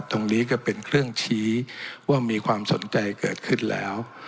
ตรงนี้ก็เป็นเครื่องชี้ว่ามีความสนใจเกิดขึ้นแล้ว